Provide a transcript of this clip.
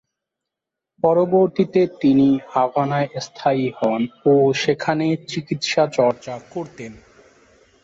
পরবর্তীতে তিনি হাভানায় স্থায়ী হন ও সেখানে চিকিৎসা চর্চা করতেন।